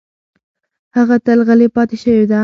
هغه تل غلې پاتې شوې ده.